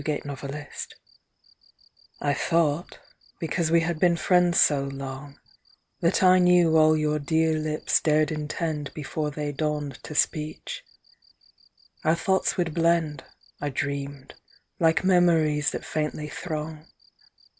) 120 Lovers 1 thought, because we had been friends so long, That I knew all your dear lips dared intend Before they dawned to speech. Our thoughts would blend, I dreamed, like memories that faintly throng.